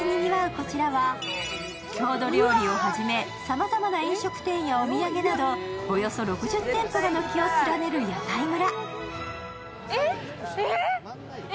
こちらは郷土料理をはじめ、さまざまな飲食店やお土産など、およそ６０店舗が軒を連ねる屋台村。